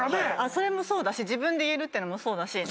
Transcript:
それもそうだし自分で言えるっていうのもそうだし。